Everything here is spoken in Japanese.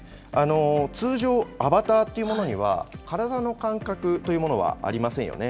通常、アバターというものには、体の感覚というものはありませんよね。